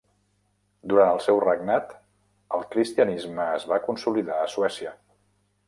Durant el seu regnat el cristianisme es va consolidar a Suècia.